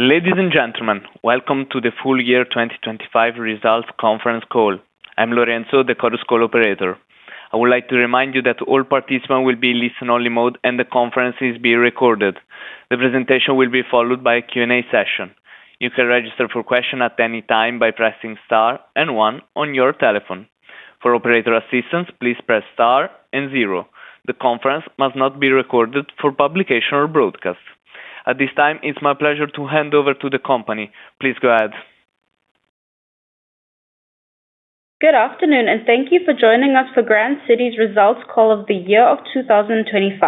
Ladies and gentlemen, welcome to the full-year 2025 results conference call. I'm Lorenzo, the Chorus Call operator. I would like to remind you that all participants will be in listen-only mode, and the conference is being recorded. The presentation will be followed by a Q&A session. You can register a question at any time by pressing star one on your telephone. For operator assistance, please press star zero. The conference must not be recorded for publication or broadcast. At this time, it's my pleasure to hand over to the company. Please go ahead. Good afternoon, and thank you for joining us for Grand City's results call of the year 2025.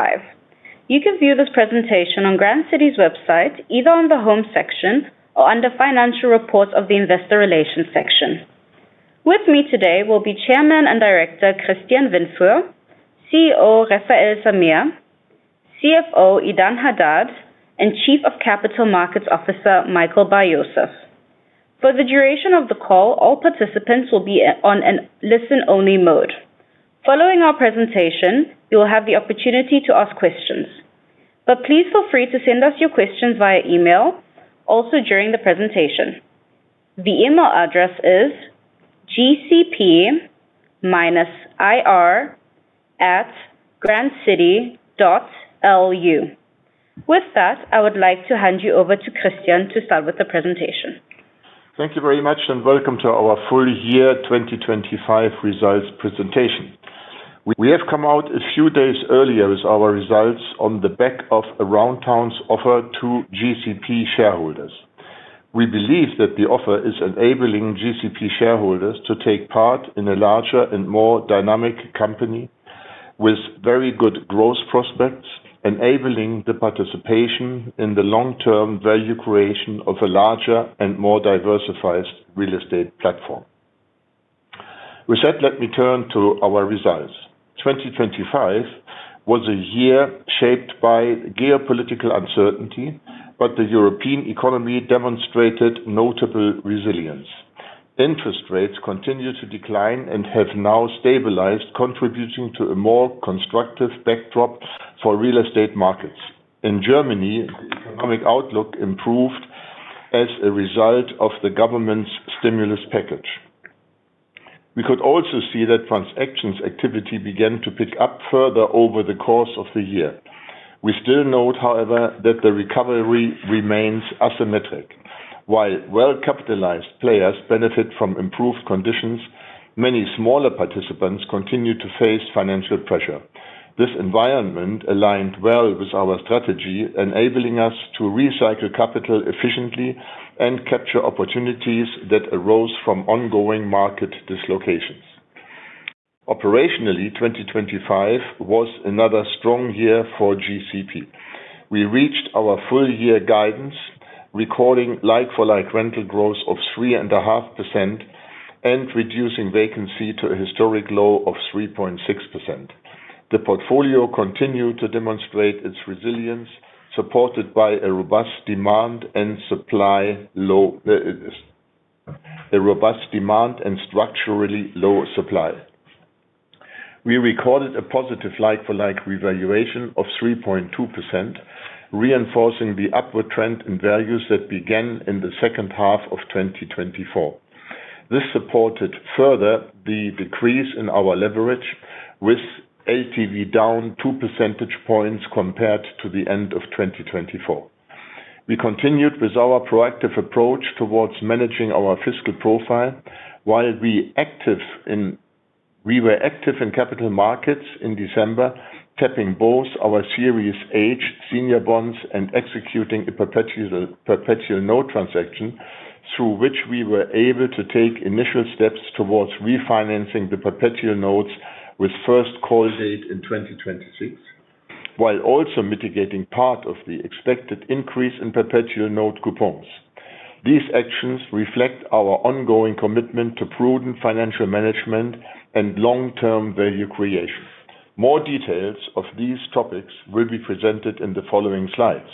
You can view this presentation on Grand City's website, either on the home section or under financial reports of the investor relations section. With me today will be Chairman and Director Christian Windfuhr, CEO Refael Zamir, CFO Idan Hadad, and Chief of Capital Markets Officer Michael Bar-Yosef. For the duration of the call, all participants will be in a listen-only mode. Following our presentation, you will have the opportunity to ask questions. Please feel free to send us your questions via email also during the presentation. The email address is gcp-ir@grandcity.lu. With that, I would like to hand you over to Christian to start with the presentation. Thank you very much, welcome to our full-year 2025 results presentation. We have come out a few days earlier with our results on the back of Aroundtown's offer to GCP shareholders. We believe that the offer is enabling GCP shareholders to take part in a larger and more dynamic company with very good growth prospects, enabling the participation in the long-term value creation of a larger and more diversified real estate platform. Let me turn to our results. 2025 was a year shaped by geopolitical uncertainty, the European economy demonstrated notable resilience. Interest rates continued to decline and have now stabilized, contributing to a more constructive backdrop for real estate markets. In Germany, the economic outlook improved as a result of the government's stimulus package. We could also see that transactions activity began to pick up further over the course of the year. We still note, however, that the recovery remains asymmetric. While well-capitalized players benefit from improved conditions, many smaller participants continue to face financial pressure. This environment aligned well with our strategy, enabling us to recycle capital efficiently and capture opportunities that arose from ongoing market dislocations. Operationally, 2025 was another strong year for GCP. We reached our full year guidance, recording like-for-like rental growth of 3.5% and reducing vacancy to a historic low of 3.6%. The portfolio continued to demonstrate its resilience, supported by a robust demand and structurally lower supply. We recorded a positive like-for-like revaluation of 3.2%, reinforcing the upward trend in values that began in the H2 of 2024. This supported further the decrease in our leverage with LTV down 2 percentage points compared to the end of 2024. While we were active in capital markets in December, tapping both our Series H senior bonds and executing a perpetual note transaction. Through which we were able to take initial steps towards refinancing the perpetual notes with first call date in 2026, while also mitigating part of the expected increase in perpetual note coupons. These actions reflect our ongoing commitment to prudent financial management and long-term value creation. More details of these topics will be presented in the following slides.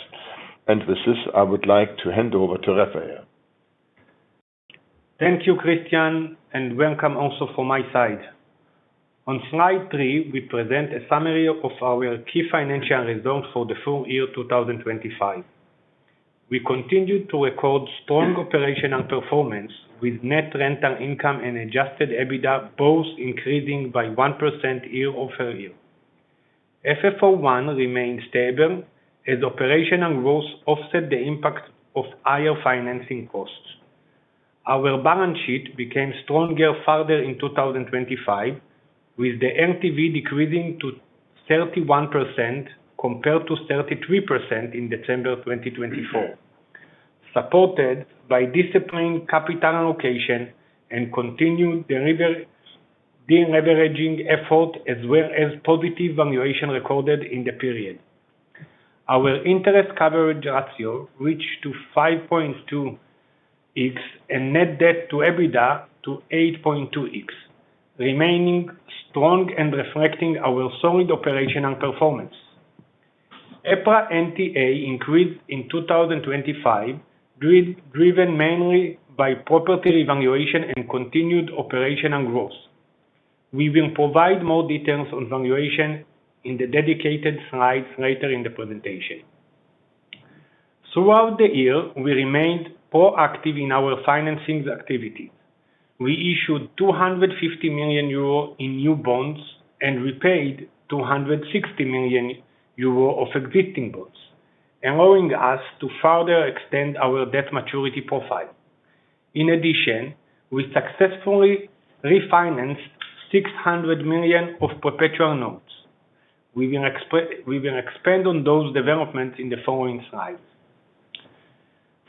With this, I would like to hand over to Refael. Thank you, Christian. Welcome also from my side. On slide three, we present a summary of our key financial results for the full-year 2025. We continued to record strong operational performance with net rental income and adjusted EBITDA both increasing by 1% year-over-year. FFO I remained stable as operational growth offset the impact of higher financing costs. Our balance sheet became stronger further in 2025, with the LTV decreasing to 31% compared to 33% in December 2024. Supported by disciplined capital allocation and continued deleveraging effort as well as positive valuation recorded in the period. Our interest coverage ratio reached to 5.2x, and Net Debt to EBITDA to 8.2x, remaining strong and reflecting our solid operational performance. EPRA NTA increased in 2025, driven mainly by property valuation and continued operational growth. We will provide more details on valuation in the dedicated slides later in the presentation. Throughout the year, we remained proactive in our financings activity. We issued 250 million euro in new bonds and repaid 260 million euro of existing bonds, allowing us to further extend our debt maturity profile. We successfully refinanced 600 million of perpetual notes. We will expand on those developments in the following slides.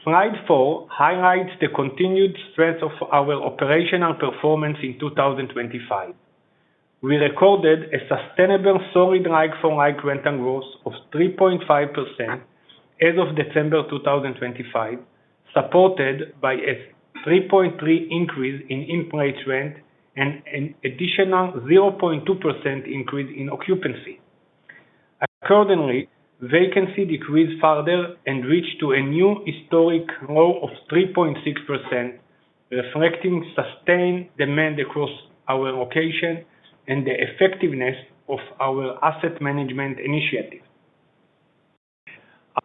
Slide four highlights the continued strength of our operational performance in 2025. We recorded a sustainable solid like-for-like rental growth of 3.5% as of December 2025, supported by a 3.3% increase in in-place rent and an additional 0.2% increase in occupancy. Vacancy decreased further and reached to a new historic low of 3.6%, reflecting sustained demand across our location and the effectiveness of our asset management initiative.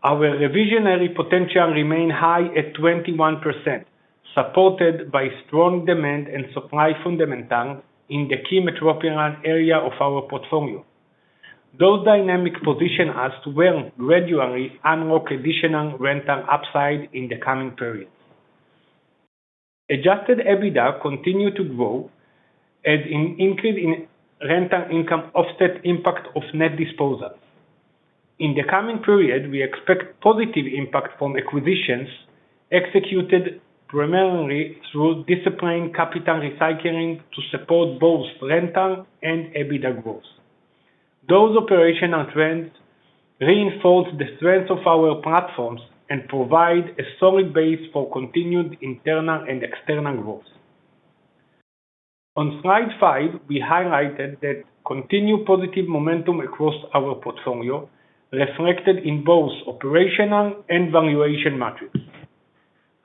Our reversionary potential remain high at 21%, supported by strong demand and supply fundamentals in the key metropolitan area of our portfolio. Those dynamic position us to well gradually unlock additional rental upside in the coming periods. Adjusted EBITDA continue to grow as an increase in rental income offset impact of net disposals. In the coming period, we expect positive impact from acquisitions executed primarily through disciplined capital recycling to support both rental and EBITDA growth. Those operational trends reinforce the strength of our platforms and provide a solid base for continued internal and external growth. On slide five, we highlighted the continued positive momentum across our portfolio, reflected in both operational and valuation metrics.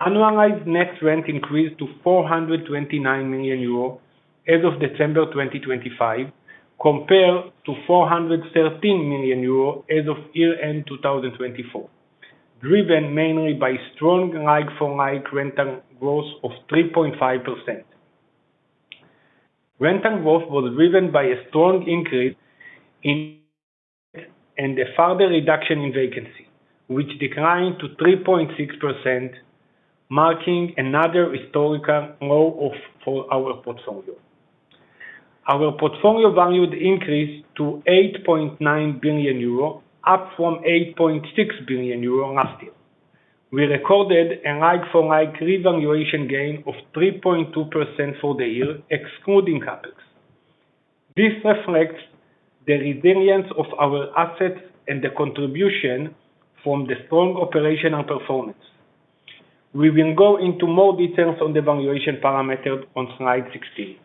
Annualized net rent increased to 429 million euro as of December 2025, compared to 413 million euro as of year-end 2024, driven mainly by strong like-for-like rental growth of 3.5%. Rental growth was driven by a strong increase in, and a further reduction in vacancy, which declined to 3.6%, marking another historical low of for our portfolio. Our portfolio value increased to 8.9 billion euro, up from 8.6 billion euro last year. We recorded a like-for-like revaluation gain of 3.2% for the year, excluding CapEx. This reflects the resilience of our assets and the contribution from the strong operational performance. We will go into more details on the valuation parameter on slide 16.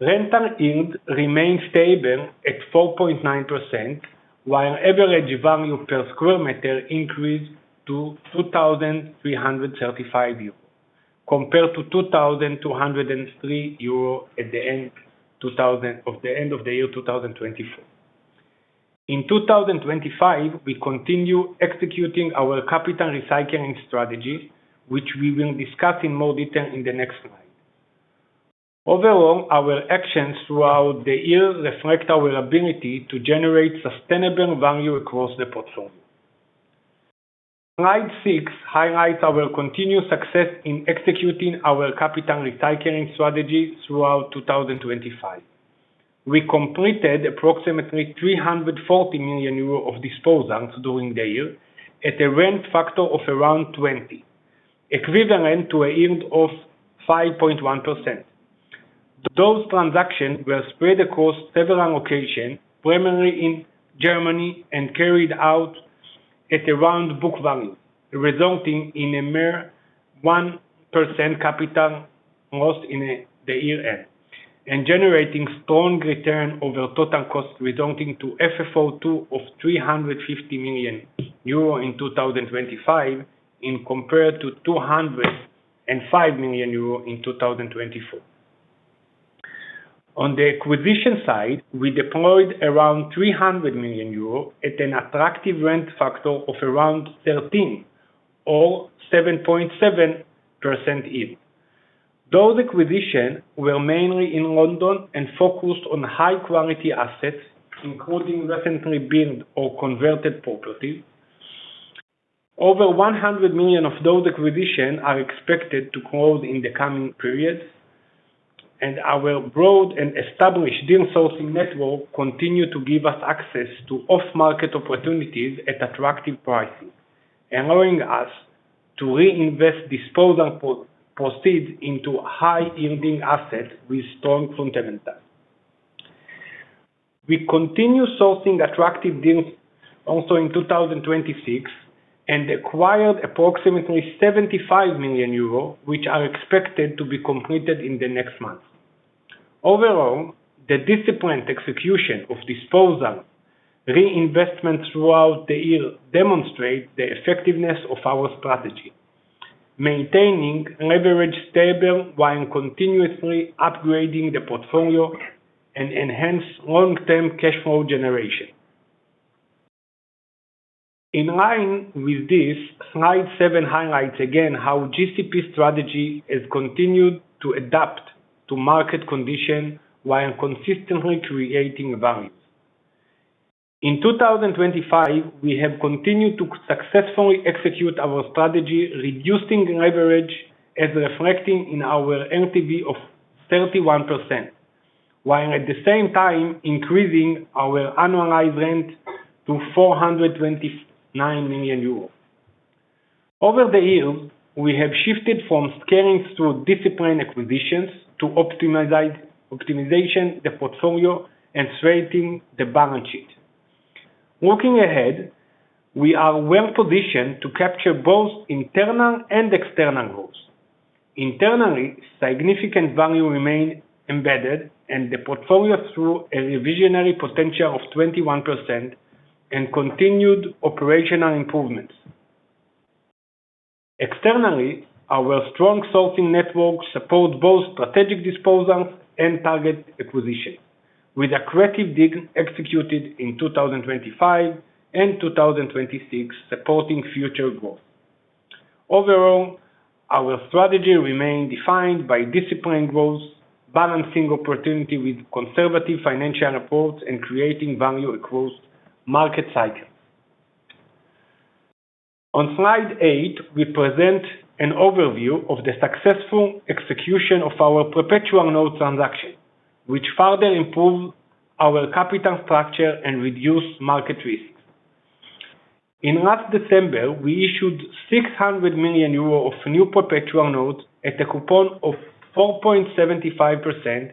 Rental yield remained stable at 4.9%, while average value per square meter increased to 2,335 euros, compared to 2,203 euros at the end of the year 2024. In 2025, we continue executing our capital recycling strategy, which we will discuss in more detail in the next slide. Overall, our actions throughout the year reflect our ability to generate sustainable value across the platform. Slide six highlights our continued success in executing our capital recycling strategy throughout 2025. We completed approximately 340 million euro of disposals during the year at a rent factor of around 20, equivalent to a yield of 5.1%. Those transactions were spread across several locations, primarily in Germany, and carried out at around book value, resulting in a mere 1% capital loss in the year end and generating strong return over total cost, resulting in FFO II of 350 million euro in 2025 in compared to 205 million euro in 2024. On the acquisition side, we deployed around 300 million euro at an attractive rent factor of around 13 or 7.7% yield. Those acquisitions were mainly in London and focused on high quality assets, including recently built or converted properties. Over 100 million of those acquisitions are expected to close in the coming periods, and our broad and established deal sourcing network continue to give us access to off-market opportunities at attractive pricing, allowing us to reinvest disposal proceeds into high-yielding assets with strong fundamentals. We continue sourcing attractive deals also in 2026 and acquired approximately 75 million euro, which are expected to be completed in the next month. Overall, the disciplined execution of disposal reinvestment throughout the year demonstrate the effectiveness of our strategy. Maintaining leverage stable while continuously upgrading the portfolio and enhance long-term cash flow generation. In line with this, slide seven highlights again how GCP strategy has continued to adapt to market condition while consistently creating value. In 2025, we have continued to successfully execute our strategy, reducing leverage as reflecting in our LTV of 31%, while at the same time increasing our annualized rent to 429 million euros. Over the years, we have shifted from scaling through disciplined acquisitions to optimization the portfolio and strengthening the balance sheet. Looking ahead, we are well-positioned to capture both internal and external growth. Internally, significant value remain embedded in the portfolio through a reversionary potential of 21% and continued operational improvements. Externally, our strong sourcing networks support both strategic disposals and target acquisition, with accretive deal executed in 2025 and 2026 supporting future growth. Overall, our strategy remains defined by disciplined growth, balancing opportunity with conservative financial reports, and creating value across market cycles. On slide eight, we present an overview of the successful execution of our perpetual note transaction, which further improve our capital structure and reduce market risks. In last December, we issued 600 million euro of new perpetual notes at a coupon of 4.75%,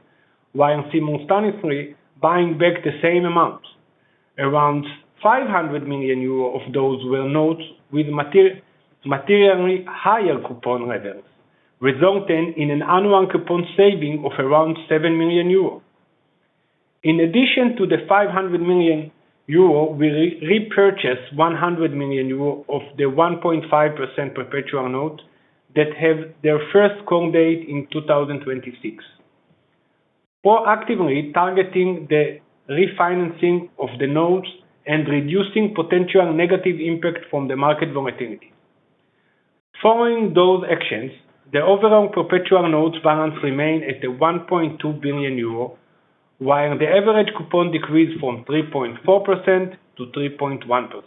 while simultaneously buying back the same amount. Around 500 million euro of those were notes with materially higher coupon revenues, resulting in an annual coupon saving of around 7 million euro. In addition to the 500 million euro, we repurchased 100 million euro of the 1.5% perpetual note that have their first call date in 2026. Proactively targeting the refinancing of the notes and reducing potential negative impact from the market volatility. Following those actions, the overall perpetual notes balance remain at the 1.2 billion euro, while the average coupon decreased from 3.4% to 3.1%,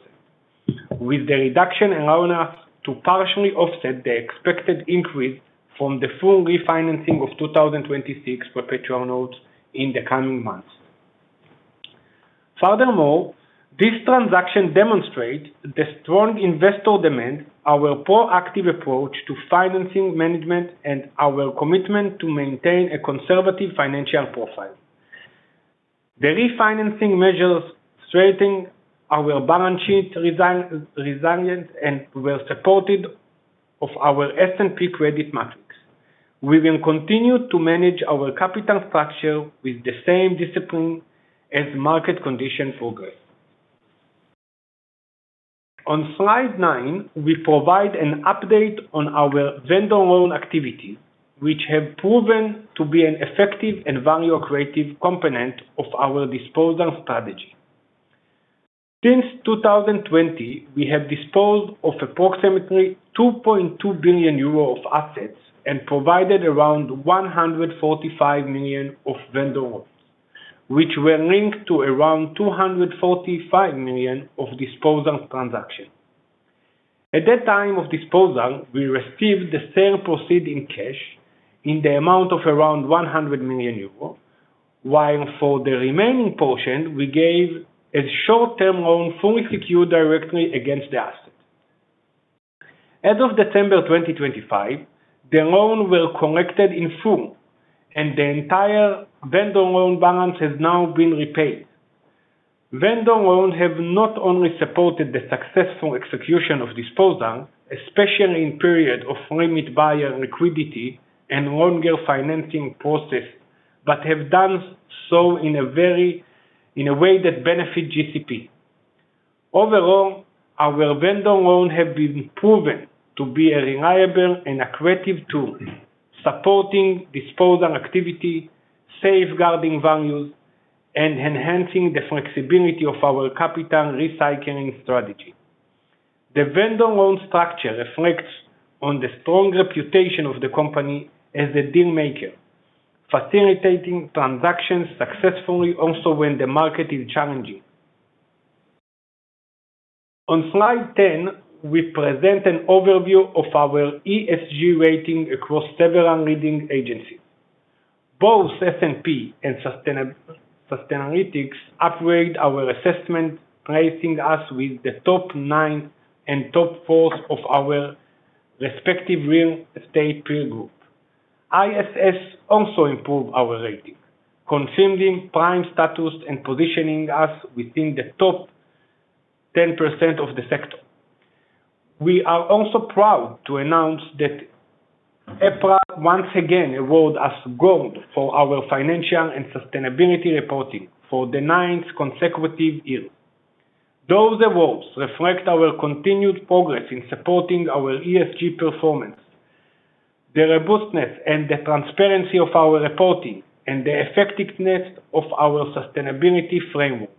with the reduction allowing us to partially offset the expected increase from the full refinancing of 2026 perpetual notes in the coming months. This transaction demonstrate the strong investor demand, our proactive approach to financing management, and our commitment to maintain a conservative financial profile. The refinancing measures strengthening our balance sheet resilience, and we are supported of our S&P credit metrics. We will continue to manage our capital structure with the same discipline as market condition progress. On slide nine, we provide an update on our vendor loan activity, which have proven to be an effective and value-accretive component of our disposal strategy. Since 2020, we have disposed of approximately 2.2 billion euro of assets and provided around 145 million of vendor loans, which were linked to around 245 million of disposal transactions. At that time of disposal, we received the sale proceed in cash in the amount of around 100 million euro, while for the remaining portion, we gave a short-term loan fully secured directly against the asset. As of December 2025, the loan was collected in full, and the entire vendor loan balance has now been repaid. Vendor loans have not only supported the successful execution of disposal, especially in period of limited buyer liquidity and longer financing process but have done so in a very in a way that benefit GCP. Overall, our vendor loan have been proven to be a reliable and accretive tool supporting disposal activity, safeguarding values, and enhancing the flexibility of our capital recycling strategy. The vendor loan structure reflects on the strong reputation of the company as a deal maker, facilitating transactions successfully also when the market is challenging. Slide 10, we present an overview of our ESG rating across several leading agencies. Both S&P and Sustainalytics upgrade our assessment, placing us with the top nine and top fourth of our respective real estate peer group. ISS also improve our rating, confirming prime status and positioning us within the top 10% of the sector. We are also proud to announce that EPRA once again award us gold for our financial and sustainability reporting for the ninth consecutive year. Those awards reflect our continued progress in supporting our ESG performance. The robustness and the transparency of our reporting and the effectiveness of our sustainability frameworks.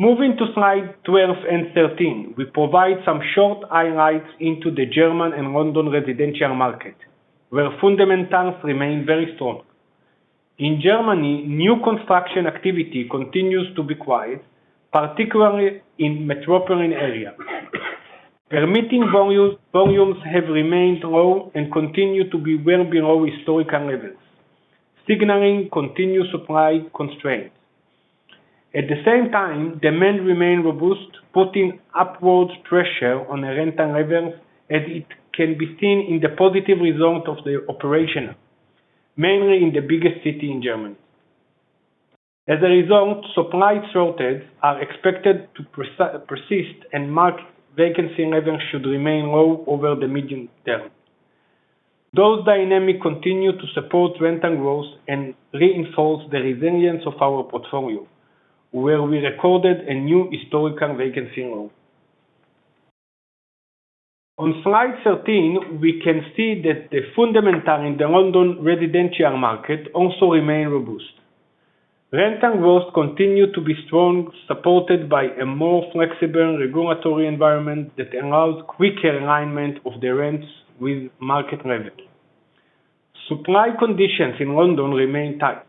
Moving to slide 12 and 13, we provide some short highlights into the German and London residential market, where fundamentals remain very strong. In Germany, new construction activity continues to be quiet, particularly in metropolitan area. Permitting volumes have remained low and continue to be well below historical levels, signaling continued supply constraints. At the same time, demand remain robust, putting upward pressure on the rental levels as it can be seen in the positive results of the operation, mainly in the biggest city in Germany. As a result, supply shortages are expected to persist and mark vacancy levels should remain low over the medium term. Those dynamics continue to support rental growth and reinforce the resilience of our portfolio, where we recorded a new historical vacancy low. On slide 13, we can see that the fundamentals in the London residential market also remain robust. Rental growth continue to be strong, supported by a more flexible regulatory environment that allows quicker alignment of the rents with market levels. Supply conditions in London remain tight.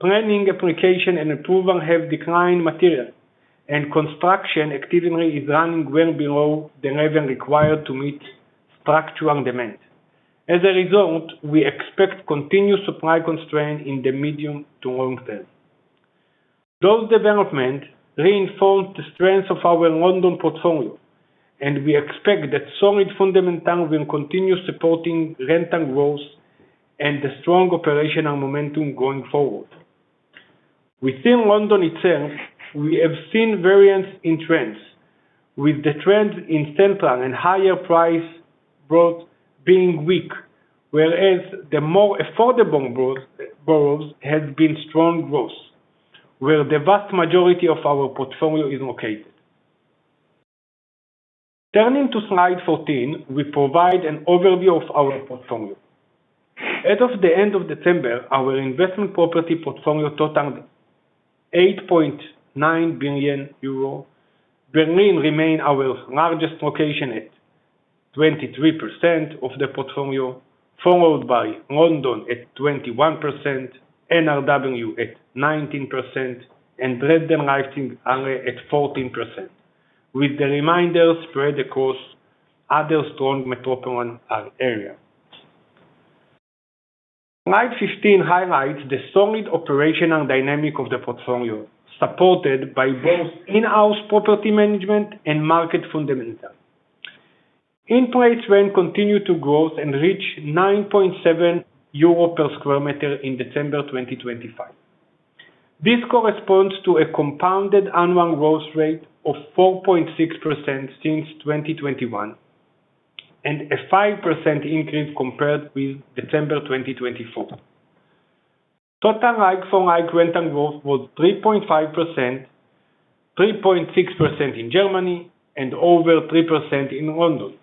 Planning application and approval have declined material, construction activity is running well below the level required to meet structural demand. As a result, we expect continued supply constraint in the medium to long term. Those developments reinforce the strength of our London portfolio, we expect that solid fundamentals will continue supporting rental growth and the strong operational momentum going forward. Within London itself, we have seen variance in trends, with the trend in central and higher price growth being weak. Whereas the more affordable boroughs has been strong growth, where the vast majority of our portfolio is located. Turning to slide 14, we provide an overview of our portfolio. As of the end of December, our investment property portfolio totaled 8.9 billion euro. Berlin remain our largest location at 23% of the portfolio, followed by London at 21%, NRW at 19%, and Greater London at 14%, with the remainder spread across other strong metropolitan areas. Slide 15 highlights the solid operational dynamic of the portfolio, supported by both in-house property management and market fundamentals. In-place rent continued to growth and reach 9.7 euro per square meter in December 2025. This corresponds to a compounded annual growth rate of 4.6% since 2021, and a 5% increase compared with December 2024. Total like-for-like rental growth was 3.5%, 3.6% in Germany, and over 3% in London.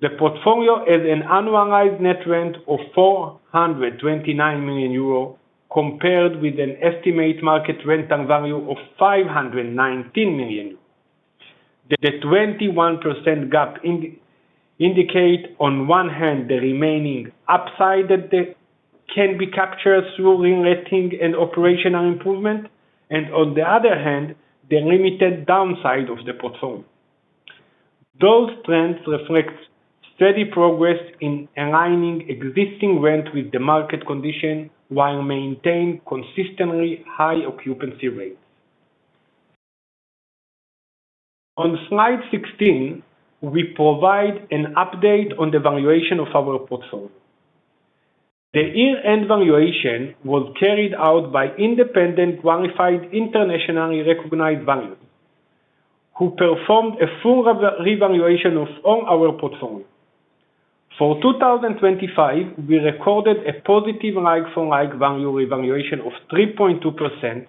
The portfolio has an annualized net rent of 429 million euro, compared with an estimated market rental value of 519 million euro. The 21% gap indicates, on one hand, the remaining upside that can be captured through reletting and operational improvement and, on the other hand, the limited downside of the portfolio. Those trends reflect steady progress in aligning existing rent with the market conditions while maintaining consistently high occupancy rates. On slide 16, we provide an update on the valuation of our portfolio. The year-end valuation was carried out by independent qualified internationally recognized valuers, who performed a full revaluation of all our portfolio. For 2025, we recorded a positive like-for-like value revaluation of 3.2%,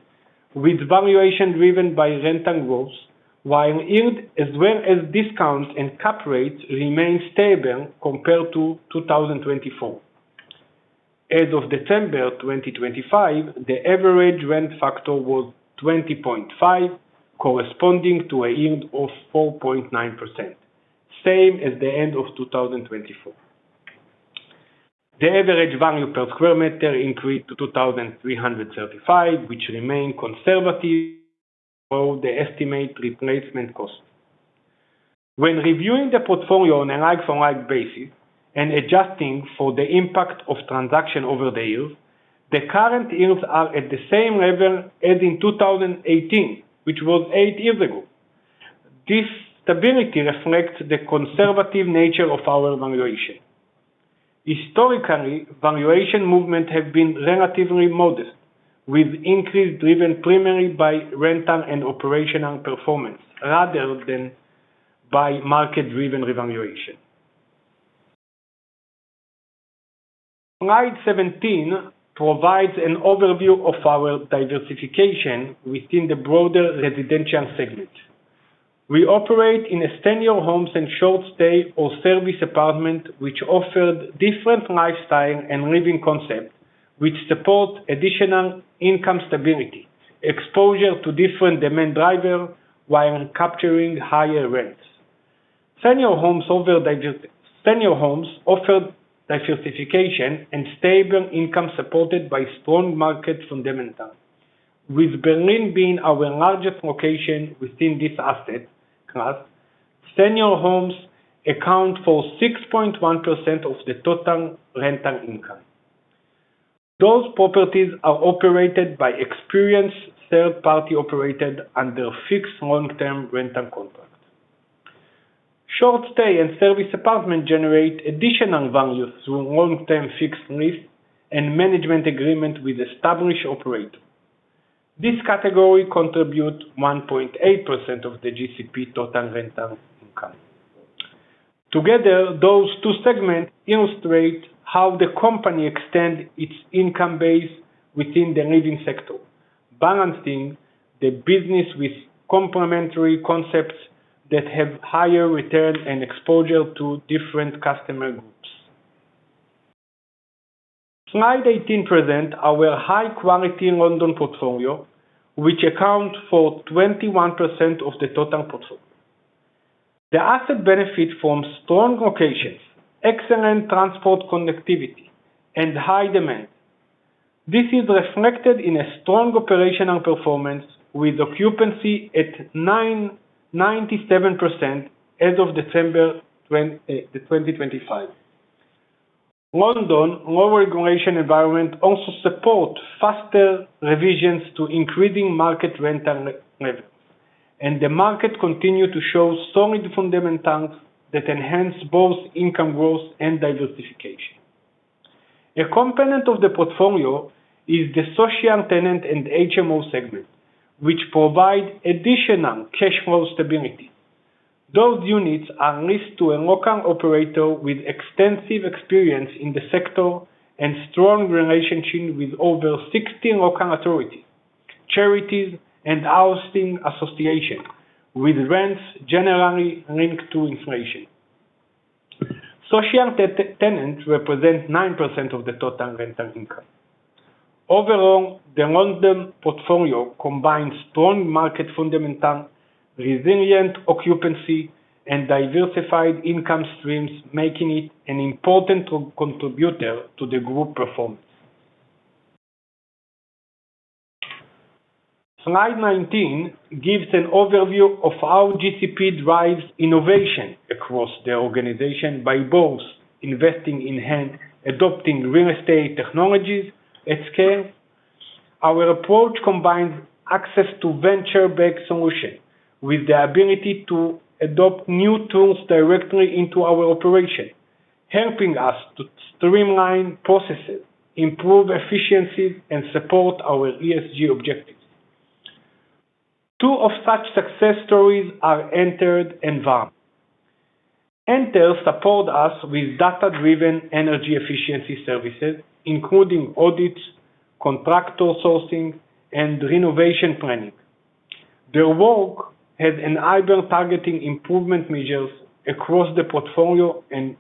with valuation driven by rental growth, while yield as well as discounts and cap rates remained stable compared to 2024. As of December 2025, the average rent factor was 20.5, corresponding to a yield of 4.9%, same as the end of 2024. The average value per square meter increased to 2,335, which remain conservative for the estimated replacement cost. When reviewing the portfolio on a like-for-like basis and adjusting for the impact of transaction over the years, the current yields are at the same level as in 2018, which was eight years ago. This stability reflects the conservative nature of our valuation. Historically, valuation movements have been relatively modest, with increases driven primarily by rental and operational performance rather than by market-driven revaluation. Slide 17 provides an overview of our diversification within the broader residential segment. We operate in senior homes and short stay or service apartments, which offer different lifestyle and living concepts, which support additional income stability, exposure to different demand drivers, while capturing higher rents. Senior homes offer diversification and stable income supported by strong market fundamentals. With Berlin being our largest location within this asset class, senior homes account for 6.1% of the total rental income. Those properties are operated by experienced third-party operators under fixed long-term rental contracts. Short stay and service apartments generate additional value through long-term fixed lease and management agreements with established operators. This category contributes 1.8% of the GCP total rental income. Together, those two segments illustrate how the company extend its income base within the living sector, balancing the business with complementary concepts that have higher return and exposure to different customer groups. Slide 18 present our high-quality London portfolio, which account for 21% of the total portfolio. The assets benefit from strong locations, excellent transport connectivity and high demand. This is reflected in a strong operational performance with occupancy at 97% as of December 2025. London lower regulatory environment also supports faster revisions to increasing market rental levels. The market continues to show solid fundamentals that enhance both income growth and diversification. A component of the portfolio is the social tenant and HMO segment, which provide additional cash flow stability. Those units are leased to a local operator with extensive experience in the sector and strong relationship with over 60 local authorities, charities, and housing associations, with rents generally linked to inflation. Social tenants represent 9% of the total rental income. Overall, the London portfolio combines strong market fundamentals, resilient occupancy, and diversified income streams, making it an important contributor to the group performance. Slide 19 gives an overview of how GCP drives innovation across the organization by both investing in and adopting real estate technologies at scale. Our approach combines access to venture-backed solutions with the ability to adopt new tools directly into our operation, helping us to streamline processes, improve efficiencies, and support our ESG objectives. Two of such success stories are Enter and VARM. Enter support us with data-driven energy efficiency services, including audits, contractor sourcing, and renovation planning. Their work has enabled targeting improvement measures across the portfolio and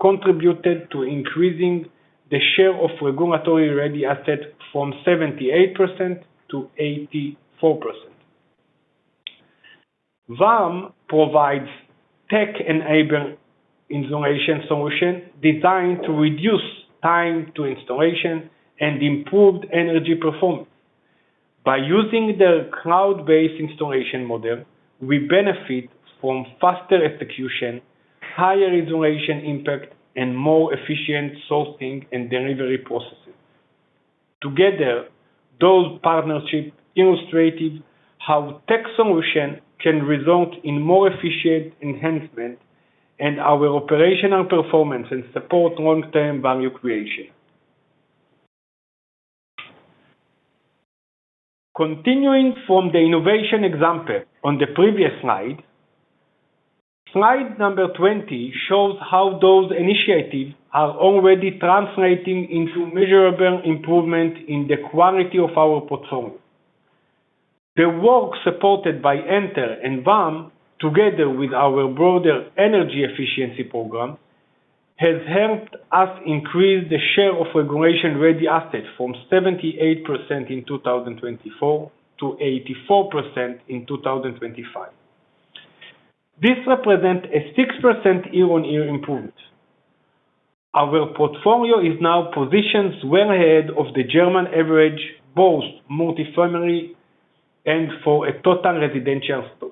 contributed to increasing the share of regulatory-ready assets from 78% to 84%. VARM provides tech-enabled insulation solutions designed to reduce time to installation and improved energy performance. By using their cloud-based installation model, we benefit from faster execution, higher insulation impact, and more efficient sourcing and delivery processes. Together, those partnerships illustrated how tech solutions can result in more efficient enhancement and our operational performance and support long-term value creation. Continuing from the innovation example on the previous slide number 20 shows how those initiatives are already translating into measurable improvement in the quality of our portfolio. The work supported by Enter and VARM, together with our broader energy efficiency program, has helped us increase the share of regulation-ready assets from 78% in 2024 to 84% in 2025. This represents a 6% year-on-year improvement. Our portfolio is now positioned well ahead of the German average, both multi-family and for a total residential stock.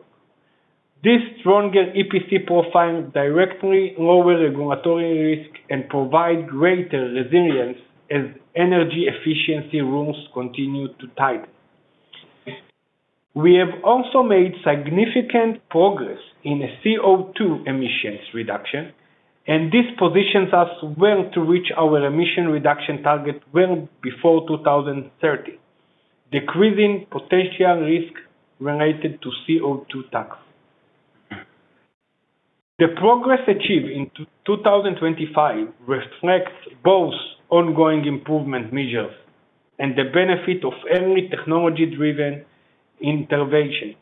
This stronger EPC profile directly lowers regulatory risk and provides greater resilience as energy efficiency rules continue to tighten. We have also made significant progress in CO₂ emissions reduction. This positions us well to reach our emission reduction target well before 2030, decreasing potential risk related to CO₂ tax. The progress achieved in 2025 reflects both ongoing improvement measures and the benefit of early technology-driven intervention.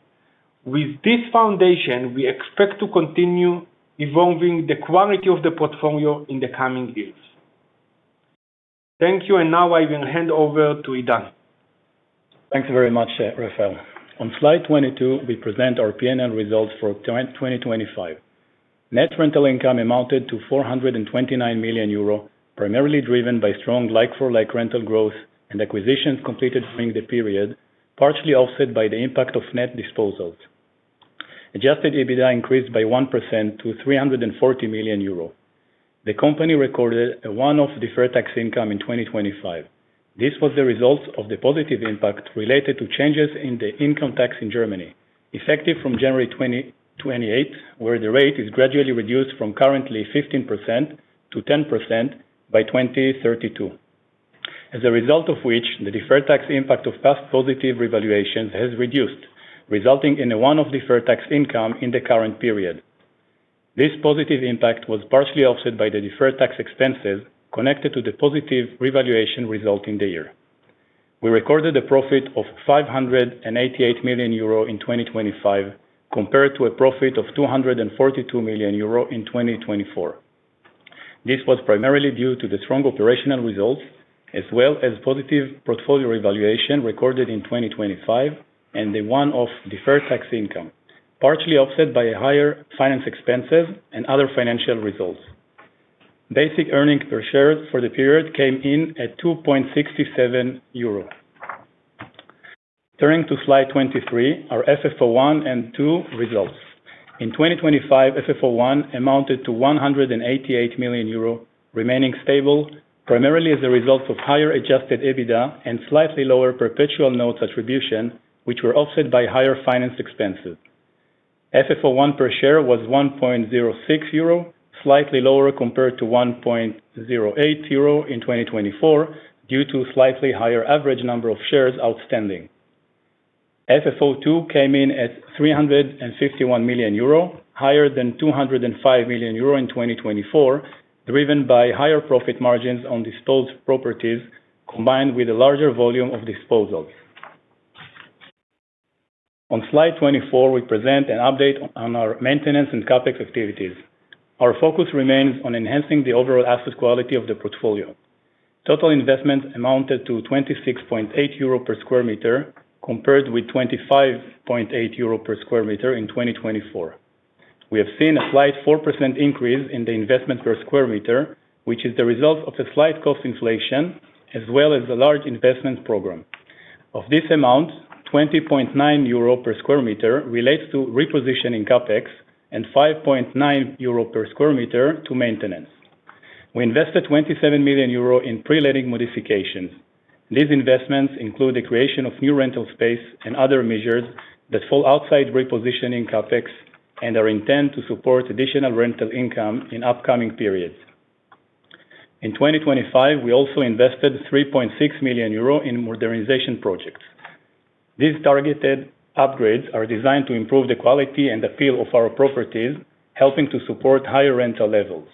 With this foundation, we expect to continue evolving the quality of the portfolio in the coming years. Thank you. Now I will hand over to Idan. Thanks very much, Refael. On slide 22, we present our P&L results for 2025. Net rental income amounted to 429 million euro, primarily driven by strong like-for-like rental growth and acquisitions completed during the period, partially offset by the impact of net disposals. Adjusted EBITDA increased by 1% to 340 million euro. The company recorded a one-off deferred tax income in 2025. This was the result of the positive impact related to changes in the income tax in Germany, effective from January 2028, where the rate is gradually reduced from currently 15% to 10% by 2032. As a result of which, the deferred tax impact of past positive revaluations has reduced, resulting in a one-off deferred tax income in the current period. This positive impact was partially offset by the deferred tax expenses connected to the positive revaluation result in the year. We recorded a profit of 588 million euro in 2025, compared to a profit of 242 million euro in 2024. This was primarily due to the strong operational results as well as positive portfolio evaluation recorded in 2025 and the one-off deferred tax income, partially offset by a higher finance expenses and other financial results. Basic earnings per share for the period came in at 2.67 euro. Turning to slide 23, our FFO I and II results. In 2025, FFO I amounted to 188 million euro remaining stable primarily as a result of higher adjusted EBITDA and slightly lower perpetual notes attribution, which were offset by higher finance expenses. FFO I per share was 1.06 euro, slightly lower compared to 1.08 euro in 2024 due to slightly higher average number of shares outstanding. FFO II came in at 351 million euro, higher than 205 million euro in 2024, driven by higher profit margins on disposed properties combined with a larger volume of disposals. On slide 24, we present an update on our maintenance and CapEx activities. Our focus remains on enhancing the overall asset quality of the portfolio. Total investments amounted to 26.8 euro per square meter compared with 25.8 euro per sq m in 2024. We have seen a slight 4% increase in the investment per square meter, which is the result of a slight cost inflation as well as a large investment program. Of this amount, 20.9 euro per square meter relates to repositioning CapEx and 5.9 euro per square meter to maintenance. We invested 27 million euro in pre-letting modifications. These investments include the creation of new rental space and other measures that fall outside repositioning CapEx and are intent to support additional rental income in upcoming periods. In 2025, we also invested 3.6 million euro in modernization projects. These targeted upgrades are designed to improve the quality and appeal of our properties, helping to support higher rental levels.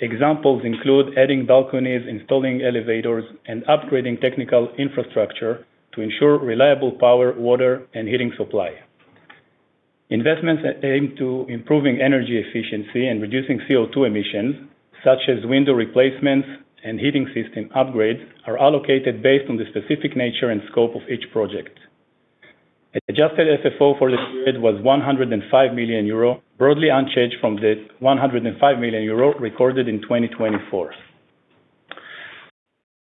Examples include adding balconies, installing elevators, and upgrading technical infrastructure to ensure reliable power, water, and heating supply. Investments that aim to improving energy efficiency and reducing CO₂ emissions, such as window replacements and heating system upgrades are allocated based on the specific nature and scope of each project. Adjusted FFO for this period was 105 million euro, broadly unchanged from the 105 million euro recorded in 2024.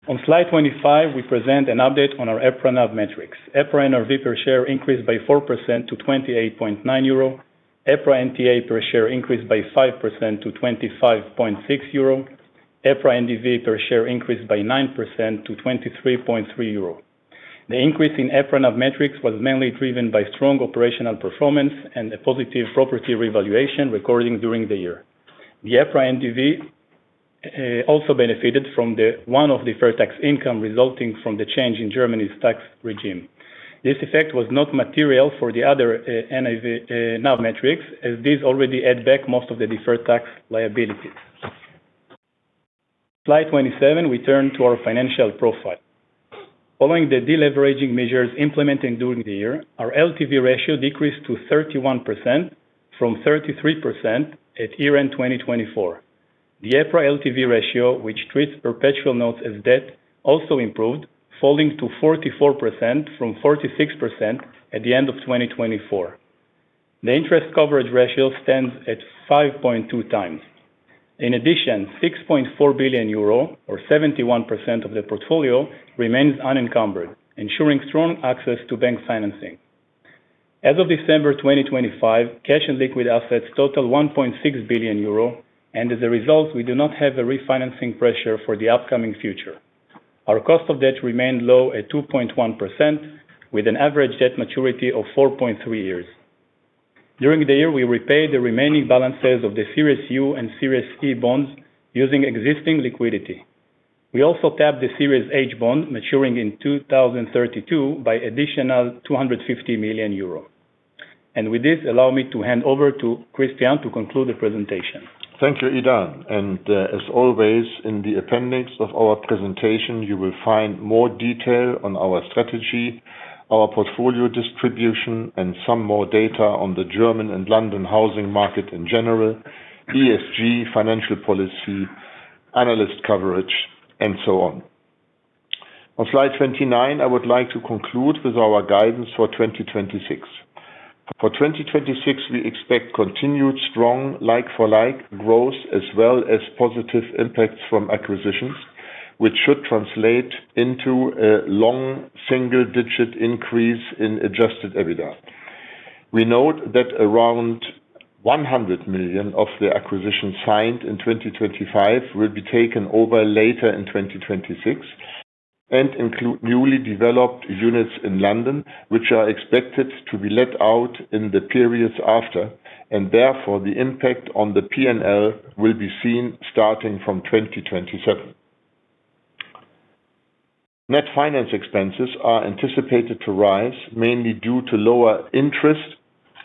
On slide 25, we present an update on our EPRA NAV metrics. EPRA NAV per share increased by 4% to 28.9 euro. EPRA NTA per share increased by 5% to 25.6 euro. EPRA NDV per share increased by 9% to 23.3 euro. The increase in EPRA NAV metrics was mainly driven by strong operational performance and a positive property revaluation recording during the year. The EPRA NDV also benefited from the one-off deferred tax income resulting from the change in Germany's tax regime. This effect was not material for the other NAV metrics as these already add back most of the deferred tax liabilities. Slide 27, we turn to our financial profile. Following the deleveraging measures implemented during the year, our LTV ratio decreased to 31% from 33% at year-end 2024. The EPRA LTV ratio, which treats perpetual notes as debt, also improved, falling to 44% from 46% at the end of 2024. The interest coverage ratio stands at 5.2x. In addition, 6.4 billion euro or 71% of the portfolio remains unencumbered, ensuring strong access to bank financing. As of December 2025, cash and liquid assets total 1.6 billion euro and as a result, we do not have a refinancing pressure for the upcoming future. Our cost of debt remained low at 2.1% with an average debt maturity of 4.3 years. During the year, we repaid the remaining balances of the Series U and Series E bonds using existing liquidity. We also tapped the Series H bond maturing in 2032 by additional 250 million euro. With this, allow me to hand over to Christian to conclude the presentation. Thank you, Idan. As always, in the appendix of our presentation, you will find more detail on our strategy, our portfolio distribution, and some more data on the German and London housing market in general, ESG, financial policy, analyst coverage, and so on. On slide 29, I would like to conclude with our guidance for 2026. For 2026, we expect continued strong like-for-like growth as well as positive impacts from acquisitions, which should translate into a long single-digit increase in adjusted EBITDA. We note that around 100 million of the acquisition signed in 2025 will be taken over later in 2026 and include newly developed units in London, which are expected to be let out in the periods after, therefore the impact on the P&L will be seen starting from 2027. Net financing expenses are anticipated to rise, mainly due to lower interest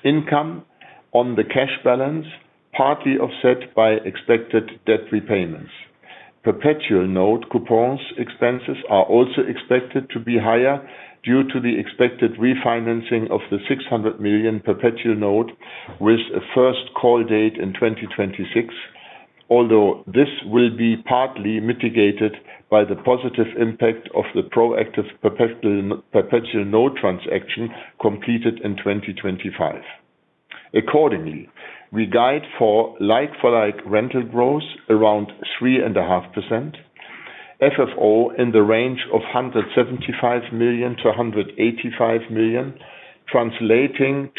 income on the cash balance, partly offset by expected debt repayments. Perpetual note coupons expenses are also expected to be higher due to the expected refinancing of the 600 million perpetual note with a first call date in 2026. Although this will be partly mitigated by the positive impact of the proactive perpetual note transaction completed in 2025. Accordingly, we guide for like-for-like rental growth around 3.5%. FFO in the range of 175 million-185 million, translating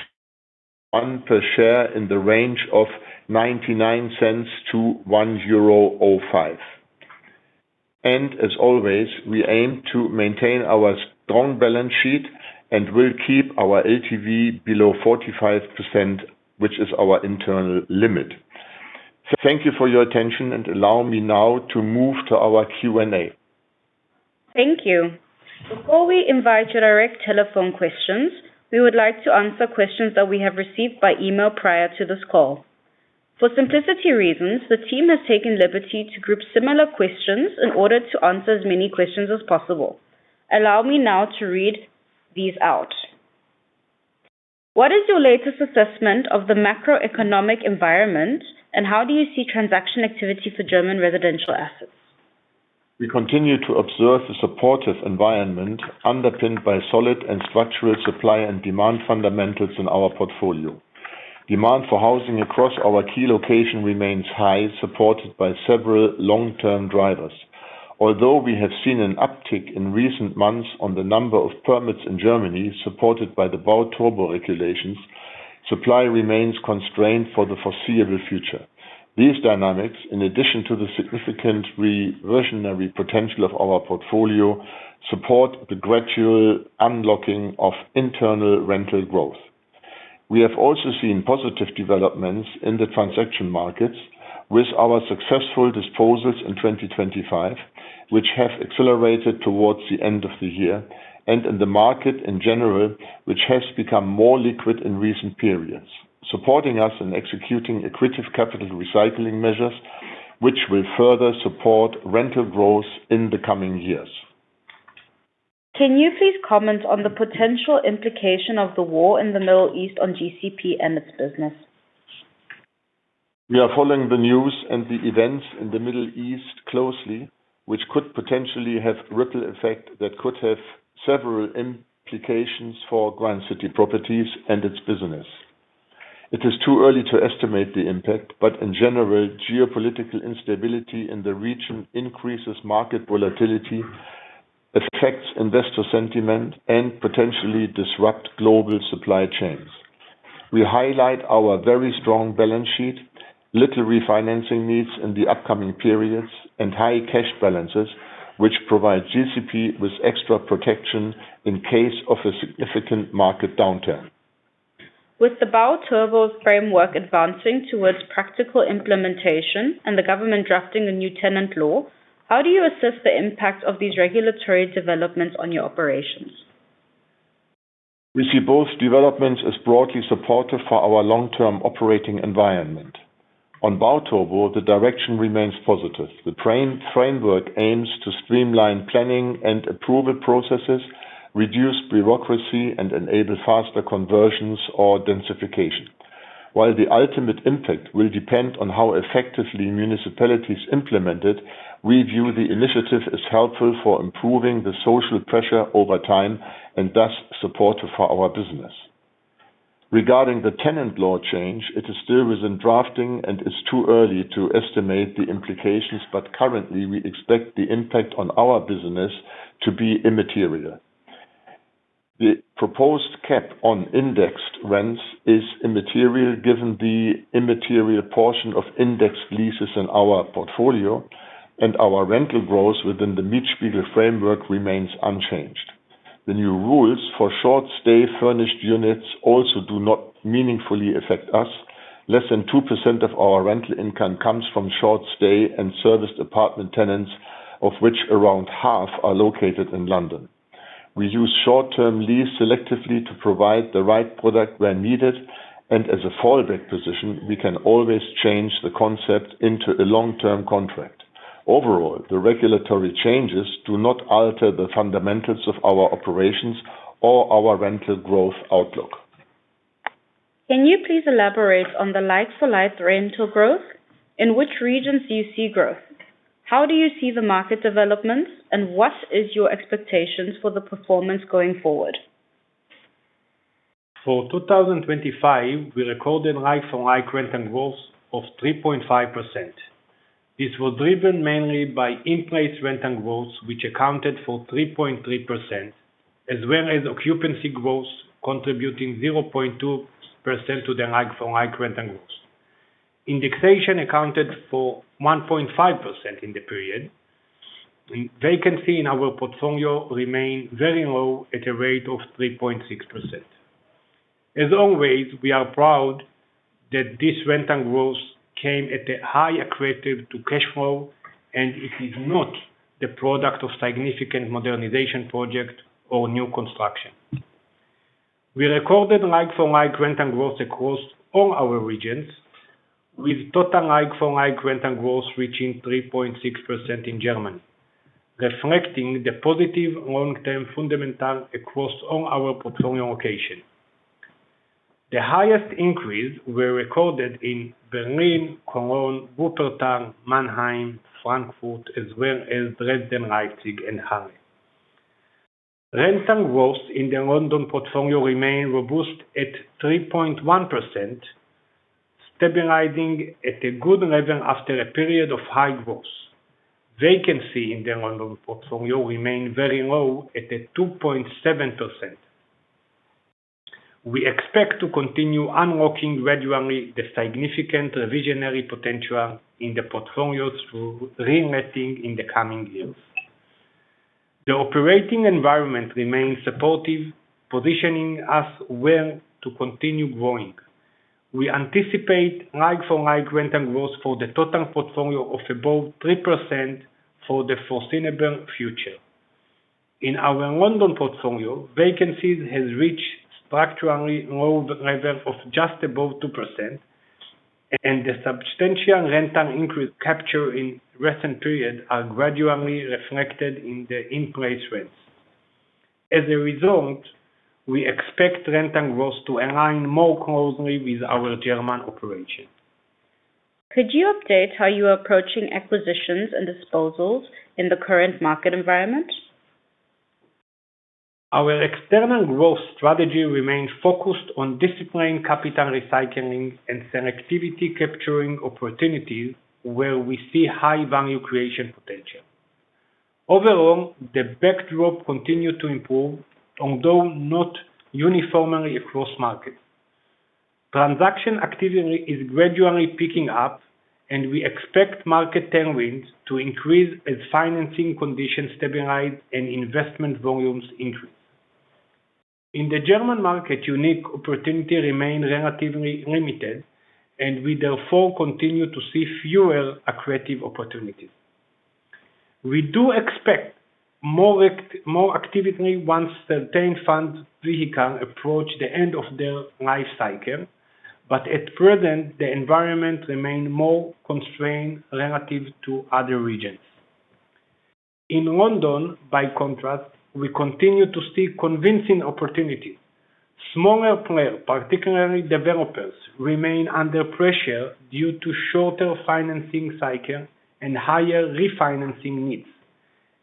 one per share in the range of 0.99-1.05 euro. As always, we aim to maintain our strong balance sheet and will keep our LTV below 45%, which is our internal limit. Thank you for your attention and allow me now to move to our Q&A. Thank you. Before we invite your direct telephone questions, we would like to answer questions that we have received by email prior to this call. For simplicity reasons, the team has taken liberty to group similar questions in order to answer as many questions as possible. Allow me now to read these out. What is your latest assessment of the macroeconomic environment, and how do you see transaction activity for German residential assets? We continue to observe the supportive environment underpinned by solid and structural supply and demand fundamentals in our portfolio. Demand for housing across our key location remains high, supported by several long-term drivers. Although we have seen an uptick in recent months on the number of permits in Germany, supported by the Bau-Turbo-Pakt regulations, supply remains constrained for the foreseeable future. These dynamics, in addition to the significant reversionary potential of our portfolio, support the gradual unlocking of internal rental growth. We have also seen positive developments in the transaction markets with our successful disposals in 2025, which have accelerated towards the end of the year, and in the market in general, which has become more liquid in recent periods, supporting us in executing accretive capital recycling measures, which will further support rental growth in the coming years. Can you please comment on the potential implication of the war in the Middle East on GCP and its business? We are following the news and the events in the Middle East closely, which could potentially have ripple effect that could have several implications for Grand City Properties and its business. It is too early to estimate the impact, but in general, geopolitical instability in the region increases market volatility, affects investor sentiment and potentially disrupt global supply chains. We highlight our very strong balance sheet, little refinancing needs in the upcoming periods and high cash balances, which provide GCP with extra protection in case of a significant market downturn. With the Bau-Turbo-Pakt advancing towards practical implementation and the government drafting a new tenancy law, how do you assess the impact of these regulatory developments on your operations? We see both developments as broadly supportive for our long-term operating environment. On Bau-Turbo-Pakt, the direction remains positive. The framework aims to streamline planning and approval processes, reduce bureaucracy and enable faster conversions or densification. While the ultimate impact will depend on how effectively municipalities implement it, we view the initiative as helpful for improving the social pressure over time and thus supportive for our business. Regarding the tenancy law change, it is still within drafting and it's too early to estimate the implications, but currently, we expect the impact on our business to be immaterial. The proposed cap on indexed rents is immaterial given the immaterial portion of indexed leases in our portfolio and our rental growth within the Mietspiegel framework remains unchanged. The new rules for short stay furnished units also do not meaningfully affect us. Less than 2% of our rental income comes from short stay and serviced apartment tenants, of which around half are located in London. As a fallback position, we can always change the concept into a long-term contract. Overall, the regulatory changes do not alter the fundamentals of our operations or our rental growth outlook. Can you please elaborate on the like-for-like rental growth? In which regions do you see growth? How do you see the market developments? What is your expectations for the performance going forward? For 2025, we recorded like-for-like rental growth of 3.5%. This was driven mainly by in-place rental growth, which accounted for 3.3%, as well as occupancy growth contributing 0.2% to the like-for-like rental growth. Indexation accounted for 1.5% in the period. Vacancy in our portfolio remain very low at a rate of 3.6%. As always, we are proud that this rental growth came at a high accretive to cash flow. It is not the product of significant modernization project or new construction. We recorded like-for-like rental growth across all our regions, with total like-for-like rental growth reaching 3.6% in Germany, reflecting the positive long-term fundamental across all our portfolio location. The highest increase were recorded in Berlin, Cologne, Wuppertal, Mannheim, Frankfurt, as well as Dresden, Leipzig, and Halle. Rental growth in the London portfolio remain robust at 3.1%, stabilizing at a good level after a period of high growth. Vacancy in the London portfolio remain very low at 2.7%. We expect to continue unlocking gradually the significant reversionary potential in the portfolio through reletting in the coming years. The operating environment remains supportive, positioning us well to continue growing. We anticipate like-for-like rental growth for the total portfolio of above 3% for the foreseeable future. In our London portfolio, vacancies has reached structurally low level of just above 2%, the substantial rental increase capture in recent periods are gradually reflected in the in-place rents. As a result, we expect rental growth to align more closely with our German operation. Could you update how you are approaching acquisitions and disposals in the current market environment? Our external growth strategy remains focused on disciplined capital recycling and selectivity, capturing opportunities where we see high value creation potential. Overall, the backdrop continue to improve, although not uniformly across markets. Transaction activity is gradually picking up. We expect market tailwinds to increase as financing conditions stabilize and investment volumes increase. In the German market, unique opportunity remain relatively limited. We therefore continue to see fewer accretive opportunities. We do expect more activity once certain funds vehicle approach the end of their life cycle. At present, the environment remain more constrained relative to other regions. In London, by contrast, we continue to see convincing opportunities. Smaller player, particularly developers, remain under pressure due to shorter financing cycle and higher refinancing needs.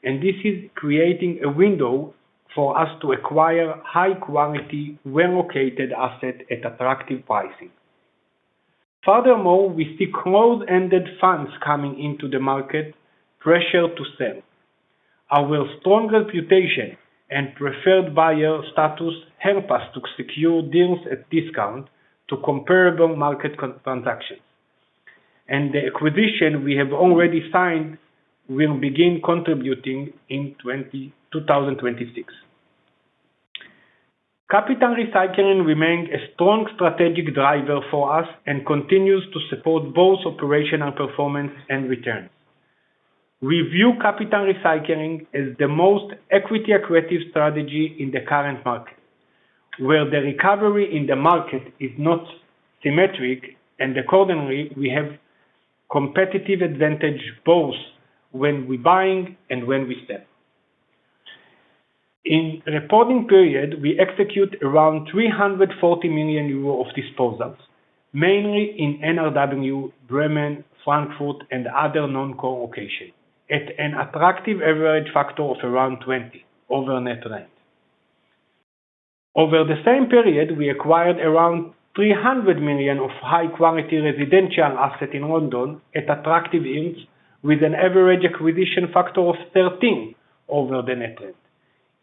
This is creating a window for us to acquire high quality, well-located asset at attractive pricing. Furthermore, we see closed-ended funds coming into the market, pressure to sell. Our strong reputation and preferred buyer status help us to secure deals at discount to comparable market transactions. The acquisition we have already signed will begin contributing in 2026. Capital recycling remain a strong strategic driver for us and continues to support both operational performance and returns. We view capital recycling as the most equity accretive strategy in the current market, where the recovery in the market is not symmetric, and accordingly, we have competitive advantage both when we buying and when we sell. In the reporting period, we execute around 340 million euro of disposals, mainly in NRW, Bremen, Frankfurt and other non-core location, at an attractive average factor of around 20 over net rent. Over the same period, we acquired around 300 million of high-quality residential asset in London at attractive yields, with an average acquisition factor of 13 over the net rent,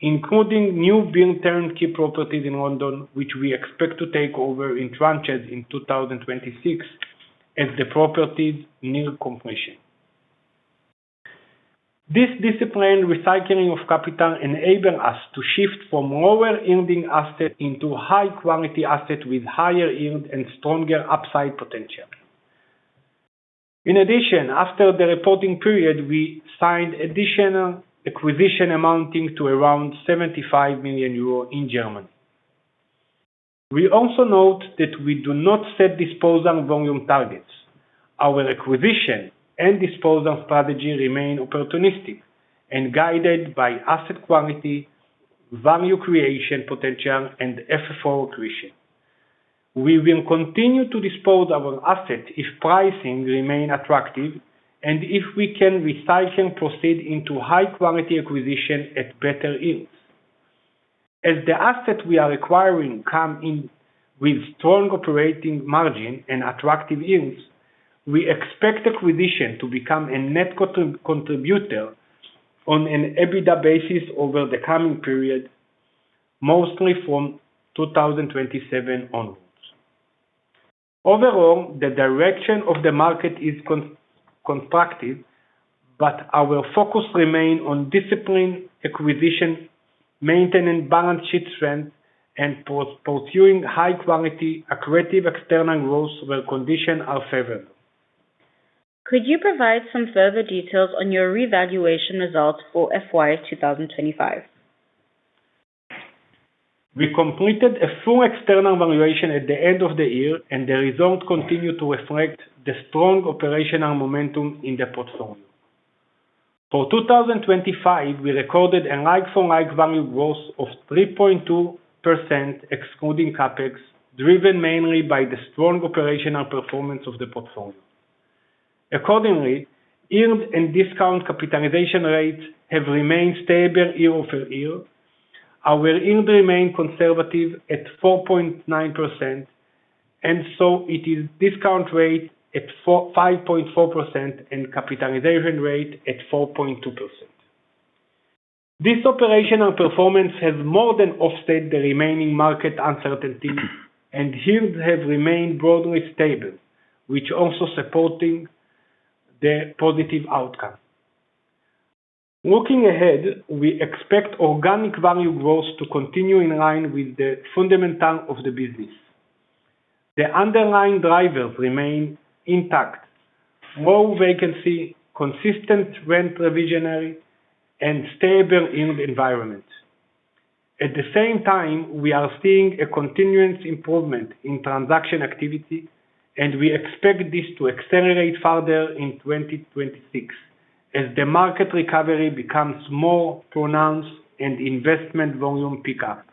including new build turnkey properties in London, which we expect to take over in tranches in 2026 as the properties near completion. This disciplined recycling of capital enable us to shift from lower-yielding asset into high-quality asset with higher yield and stronger upside potential. After the reporting period, we signed additional acquisition amounting to around 75 million euro in Germany. We also note that we do not set disposal volume targets. Our acquisition and disposal strategy remain opportunistic and guided by asset quality, value creation potential, and FFO creation. We will continue to dispose our asset if pricing remain attractive and if we can recycle and proceed into high-quality acquisition at better yields. As the asset we are acquiring come in with strong operating margins and attractive yields, we expect acquisition to become a net contributor on an EBITDA basis over the coming period, mostly from 2027 onwards. Overall, the direction of the market is contructive, but our focus remains on disciplined acquisition, maintaining balance sheet strength, and pursuing high quality accretive external growth where condition is favorable. Could you provide some further details on your revaluation result for FY 2025? We completed a full external valuation at the end of the year. The results continue to reflect the strong operational momentum in the portfolio. For 2025, we recorded a like-for-like value growth of 3.2% excluding CapEx, driven mainly by the strong operational performance of the portfolio. Accordingly, yield and discount capitalization rates have remained stable year-over-year. Our yield remains conservative at 4.9%. It is discount rate at 5.4% and capitalization rate at 4.2%. This operational performance has more than offset the remaining market uncertainty, and yields have remained broadly stable, which also supporting the positive outcome. Looking ahead, we expect organic value growth to continue in line with the fundamental of the business. The underlying drivers remain intact. Low vacancy, consistent rent reversion, and stable yield environment. At the same time, we are seeing a continuous improvement in transaction activity, and we expect this to accelerate further in 2026 as the market recovery becomes more pronounced and investment volume pick up.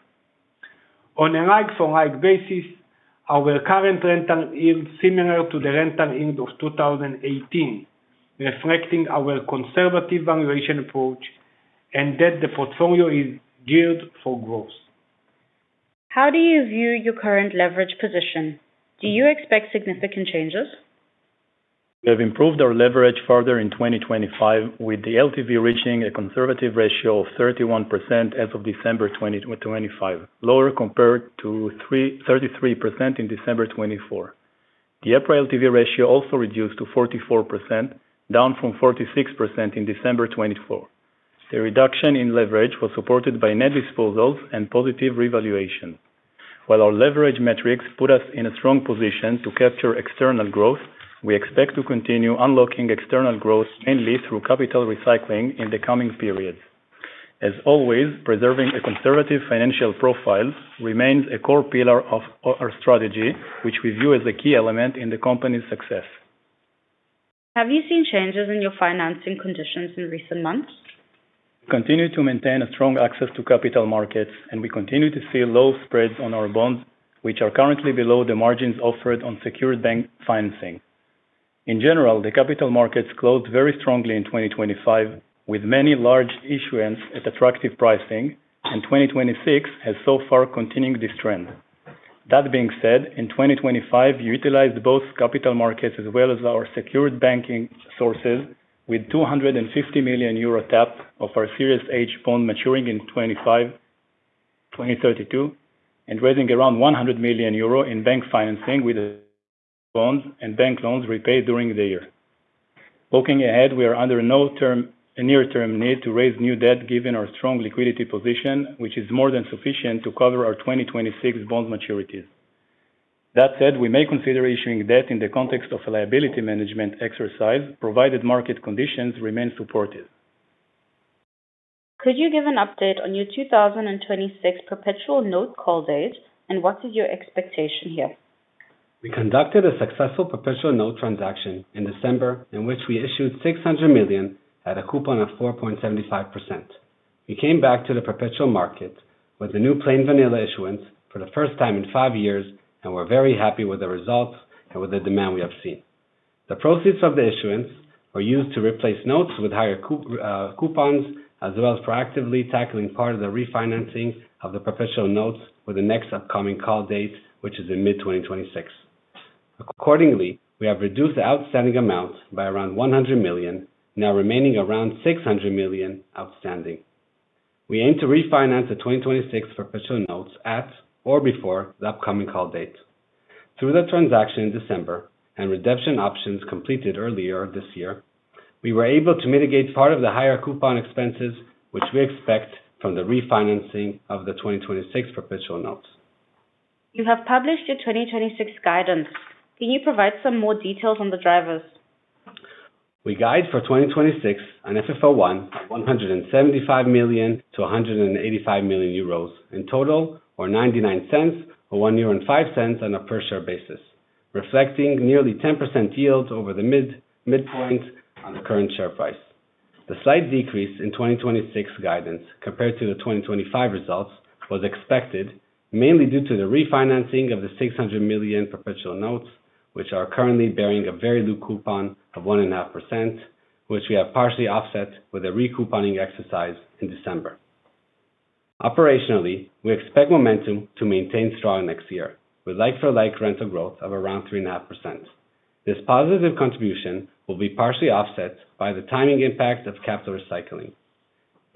On a like-for-like basis, our current rental yield similar to the rental yield of 2018, reflecting our conservative valuation approach and that the portfolio is geared for growth. How do you view your current leverage position? Do you expect significant changes? We have improved our leverage further in 2025, with the LTV reaching a conservative ratio of 31% as of December 2025, lower compared to 33% in December 2024. The EPRA LTV ratio also reduced to 44%, down from 46% in December 2024. The reduction in leverage was supported by net disposals and positive revaluation. While our leverage metrics put us in a strong position to capture external growth, we expect to continue unlocking external growth mainly through capital recycling in the coming periods. As always, preserving a conservative financial profile remains a core pillar of our strategy, which we view as a key element in the company's success. Have you seen changes in your financing conditions in recent months? We continue to maintain a strong access to capital markets, and we continue to see low spreads on our bonds, which are currently below the margins offered on secured bank financing. In general, the capital markets closed very strongly in 2025, with many large issuances at attractive pricing, and 2026 has so far continued this trend. That being said, in 2025, we utilized both capital markets as well as our secured banking sources with 250 million euro tap of our Series H bond maturing in 2032 and raising around 100 million euro in bank financing with bonds and bank loans repaid during the year. Looking ahead, we are under no near-term need to raise new debt given our strong liquidity position, which is more than sufficient to cover our 2026 bonds maturities. That said, we may consider issuing debt in the context of a liability management exercise, provided market conditions remain supportive. Could you give an update on your 2026 perpetual note call date, and what is your expectation here? We conducted a successful perpetual note transaction in December in which we issued 600 million at a coupon of 4.75%. We came back to the perpetual market with a new plain vanilla issuance for the first time in five years, we're very happy with the results and with the demand we have seen. The proceeds of the issuance were used to replace notes with higher coupons, as well as proactively tackling part of the refinancing of the perpetual notes for the next upcoming call date, which is in mid-2026. Accordingly, we have reduced the outstanding amount by around 100 million, now remaining around 600 million outstanding. We aim to refinance the 2026 perpetual notes at or before the upcoming call date. Through the transaction in December and redemption options completed earlier this year, we were able to mitigate part of the higher coupon expenses, which we expect from the refinancing of the 2026 perpetual notes. You have published your 2026 guidance. Can you provide some more details on the drivers? We guide for 2026 an FFO I of 175 million-185 million euros in total or 0.99 or 1.05 euro on a per share basis, reflecting nearly 10% yield over the midpoint on the current share price. The slight decrease in 2026 guidance compared to the 2025 results was expected mainly due to the refinancing of the 600 million perpetual notes, which are currently bearing a very low coupon of 1.5%, which we have partially offset with a re-couponing exercise in December. Operationally, we expect momentum to maintain strong next year with like-for-like rental growth of around 3.5%. This positive contribution will be partially offset by the timing impact of capital recycling.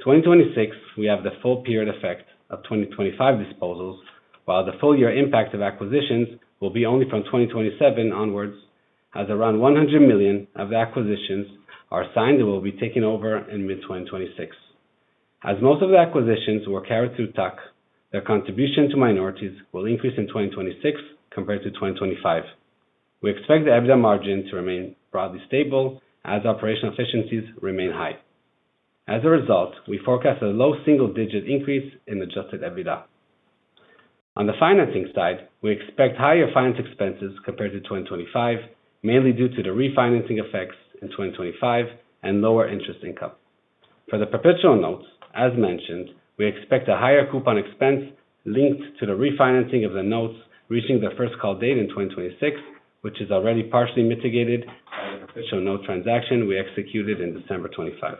2026, we have the full period effect of 2025 disposals, while the full year impact of acquisitions will be only from 2027 onwards as around 100 million of the acquisitions are signed and will be taken over in mid-2026. Most of the acquisitions were carried through TAC, their contribution to minorities will increase in 2026 compared to 2025. We expect the EBITDA margin to remain broadly stable as operational efficiencies remain high. As a result, we forecast a low single-digit increase in adjusted EBITDA. On the financing side, we expect higher finance expenses compared to 2025, mainly due to the refinancing effects in 2025 and lower interest income. For the perpetual notes, as mentioned, we expect a higher coupon expense linked to the refinancing of the notes reaching their first call date in 2026, which is already partially mitigated by the perpetual note transaction we executed in December 2025.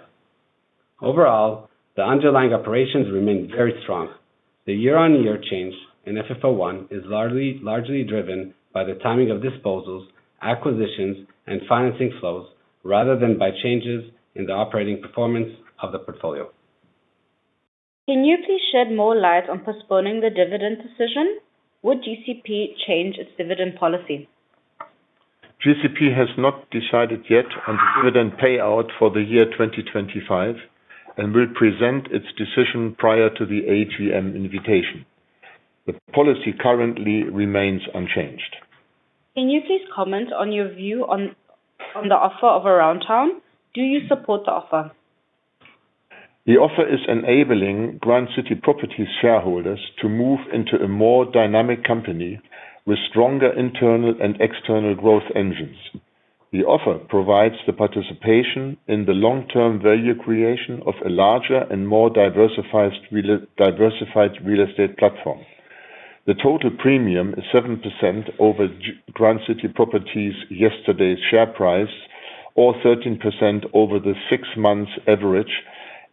Overall, the underlying operations remain very strong. The year-on-year change in FFO I is largely driven by the timing of disposals, acquisitions and financing flows, rather than by changes in the operating performance of the portfolio. Can you please shed more light on postponing the dividend decision? Would GCP change its dividend policy? GCP has not decided yet on dividend payout for the year 2025 and will present its decision prior to the AGM invitation. The policy currently remains unchanged. Can you please comment on your view on the offer of Aroundtown? Do you support the offer? The offer is enabling Grand City Properties shareholders to move into a more dynamic company with stronger internal and external growth engines. The offer provides the participation in the long term value creation of a larger and more diversified real estate platform. The total premium is 7% over Grand City Properties yesterday's share price or 13% over the six months average,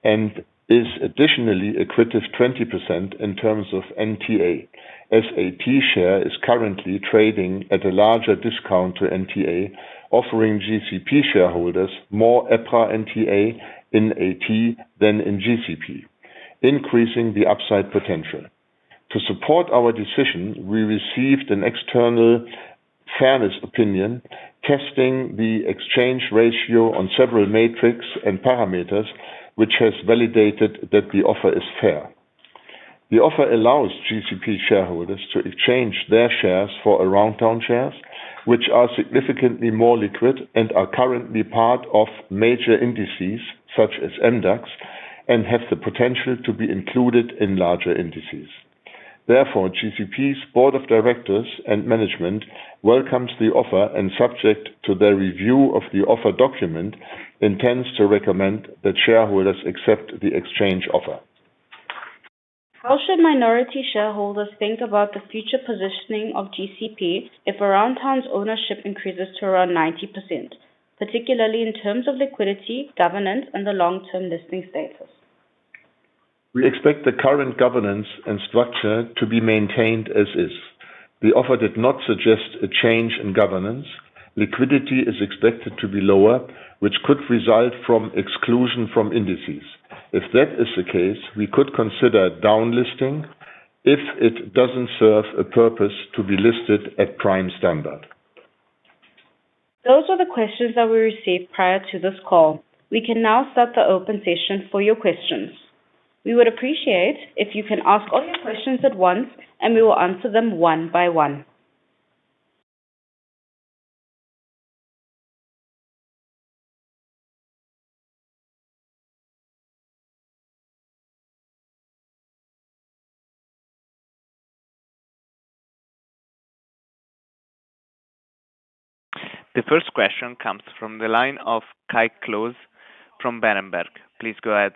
and is additionally accretive 20% in terms of NTA. As AT share is currently trading at a larger discount to NTA, offering GCP shareholders more EPRA NTA in AT than in GCP, increasing the upside potential. To support our decision, we received an external fairness opinion testing the exchange ratio on several metrics and parameters, which has validated that the offer is fair. The offer allows GCP shareholders to exchange their shares for Aroundtown shares, which are significantly more liquid and are currently part of major indices such as MDAX and have the potential to be included in larger indices. GCP's board of directors and management welcomes the offer and subject to their review of the offer document, intends to recommend that shareholders accept the exchange offer. How should minority shareholders think about the future positioning of GCP if Aroundtown's ownership increases to around 90%, particularly in terms of liquidity, governance and the long term listing status? We expect the current governance and structure to be maintained as is. The offer did not suggest a change in governance. Liquidity is expected to be lower, which could result from exclusion from indices. If that is the case, we could consider down listing if it doesn't serve a purpose to be listed at Prime Standard. Those are the questions that we received prior to this call. We can now start the open session for your questions. We would appreciate if you can ask all your questions at once, and we will answer them one by one. The first question comes from the line of Kai Klose from Berenberg. Please go ahead.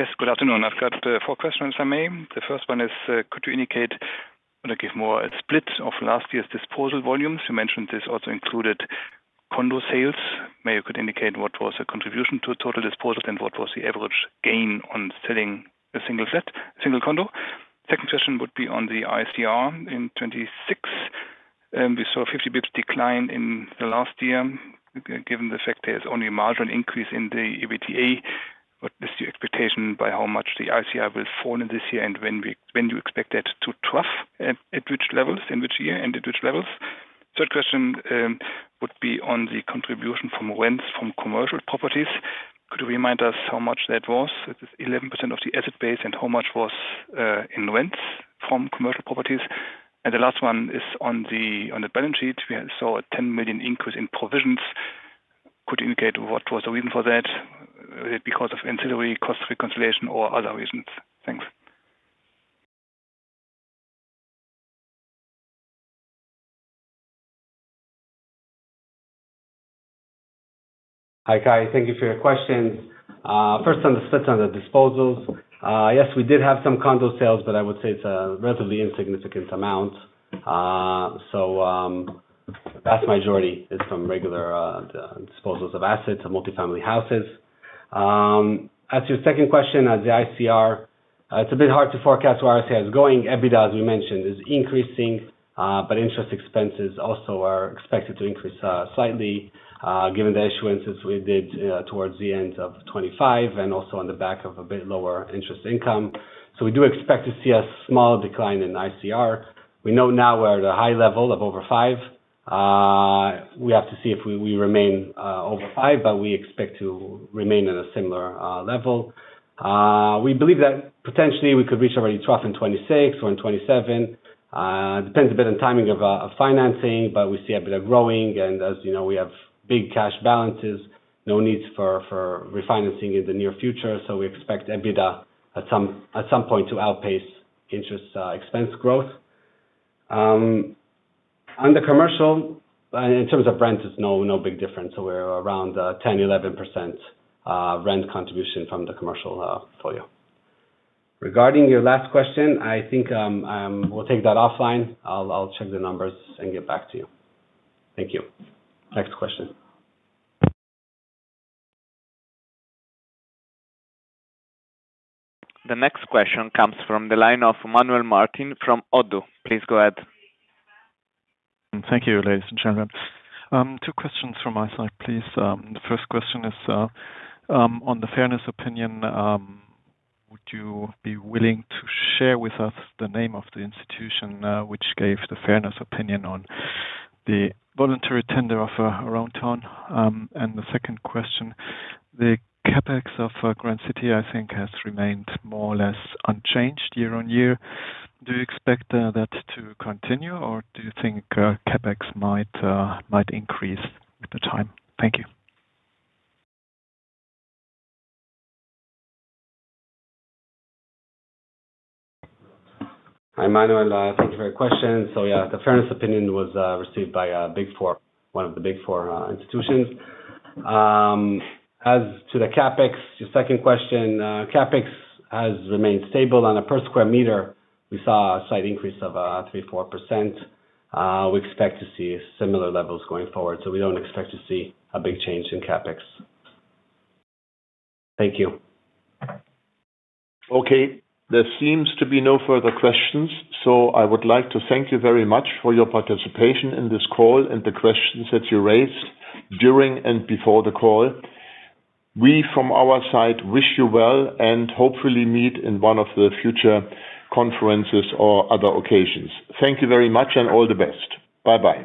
Yes, good afternoon. I've got, four questions, if I may. The first one is, could you indicate want to give more a split of last year's disposal volumes? You mentioned this also included condo sales. Maybe you could indicate what was the contribution to total disposals and what was the average gain on selling a single condo. Second question would be on the ICR in 2026. We saw a 50 basis point decline in the last year, given the fact there's only a marginal increase in the EBITDA. What is your expectation by how much the ICR will fall in this year, and when do you expect it to trough, at which levels, in which year, and at which levels? Third question would be on the contribution from rents from commercial properties. Could you remind us how much that was? It is 11% of the asset base and how much was in rents from commercial properties? The last one is on the balance sheet. We saw a 10 million increase in provisions. Could you indicate what was the reason for that? Is it because of ancillary cost reconciliation or other reasons? Thanks. Hi, Kai. Thank you for your question. First on the disposals. Yes, we did have some condo sales, but I would say it's a relatively insignificant amount. The vast majority is from regular disposals of assets and multi-family houses. As to your second question, as the ICR, it's a bit hard to forecast where ICR is going. EBITDA, as we mentioned, is increasing, but interest expenses also are expected to increase slightly, given the issuances we did towards the end of 2025 and also on the back of a bit lower interest income. We do expect to see a small decline in ICR. We know now we're at a high level of over 5. We have to see if we remain over five, but we expect to remain at a similar level. We believe that potentially we could reach already trough in 2026 or in 2027. Depends a bit on timing of financing, but we see EBITDA growing. As you know, we have big cash balances, no needs for refinancing in the near future. We expect EBITDA at some point to outpace interest expense growth. On the commercial in terms of rent, it's no big difference. We're around 10%, 11% rent contribution from the commercial portfolio. Regarding your last question, I think, we'll take that offline. I'll check the numbers and get back to you. Thank you. Next question. The next question comes from the line of Manuel Martin from ODDO. Please go ahead. Thank you, ladies and gentlemen. Two questions from my side, please. The first question is on the fairness opinion, would you be willing to share with us the name of the institution which gave the fairness opinion on the voluntary tender offer Aroundtown? The second question, the CapEx of Grand City, I think, has remained more or less unchanged year-over-year. Do you expect that to continue, or do you think CapEx might increase with the time? Thank you. Hi, Manuel. Thank you for your question. The fairness opinion was received by Big Four, one of the Big Four institutions. As to the CapEx, your second question, CapEx has remained stable. On a per square meter, we saw a slight increase of 3%-4%. We expect to see similar levels going forward, so we don't expect to see a big change in CapEx. Thank you. Okay. There seems to be no further questions, so I would like to thank you very much for your participation in this call and the questions that you raised during and before the call. We, from our side, wish you well and hopefully meet in one of the future conferences or other occasions. Thank you very much and all the best. Bye-bye.